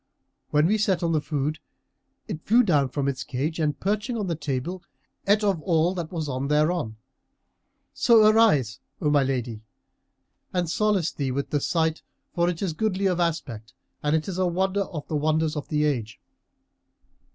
When we set on the food, it flew down from its cage and perching on the table, ate of all that was thereon. So arise, O my lady, and solace thee with the sight for it is goodly of aspect and is a wonder of the wonders of the age."